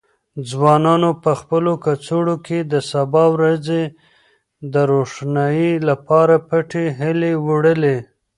ځوانانو په خپلو کڅوړو کې د سبا ورځې د روښنايي لپاره پټې هیلې وړلې.